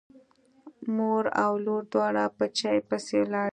مور او لور دواړه په چای پسې لاړې.